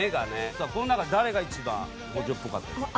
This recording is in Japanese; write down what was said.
さあこの中で誰が一番五条っぽかったですか？